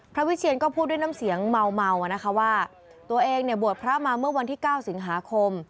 วิเชียนก็พูดด้วยน้ำเสียงเมานะคะว่าตัวเองเนี่ยบวชพระมาเมื่อวันที่๙สิงหาคม